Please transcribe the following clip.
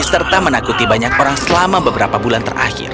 serta menakuti banyak orang selama beberapa bulan terakhir